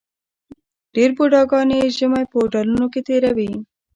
ډېر بوډاګان یې ژمی په هوټلونو کې تېروي.